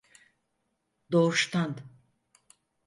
Doğuştan.